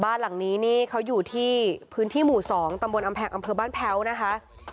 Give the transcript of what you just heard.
บ้านหลังนี้นี่เขาอยู่ที่พื้นที่หมู่๒ตำบลอำแพงอำเภอบ้านแพ้วนะคะ